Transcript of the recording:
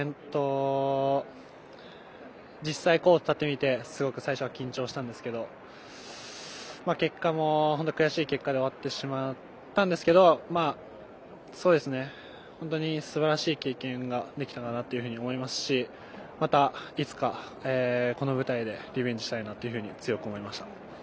実際、コートに立ってみてすごく緊張したんですけど結果も悔しい結果で終わってしまったんですけど本当にすばらしい経験ができたかなというふうに思いますしまたいつか、この舞台でリベンジしたいなと強く思いました。